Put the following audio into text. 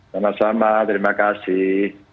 sama sama terima kasih